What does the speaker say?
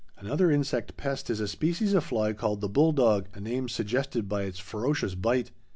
Another insect pest is a species of fly called the "bull dog," a name suggested by its ferocious bite.